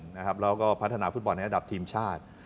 แล้วก็พัฒนาฟุตบอลในระดับทีมชาติ